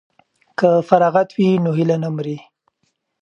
که فراغت وي نو هیله نه مري.